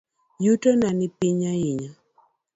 Yutona nipiny ahinya.